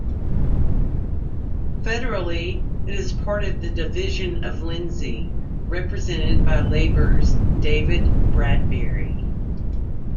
Federally, it is part of the Division of Lindsay, represented by Labor's David Bradbury.